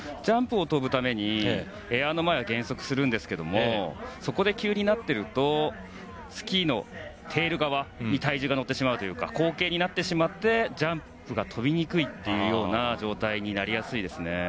ジャンプを跳ぶためにエアの前は減速するんですがそこで急になっているとスキーのテール側に体重が乗ってしまうというか後傾になってしまってジャンプが跳びにくいという状態になりやすいですね。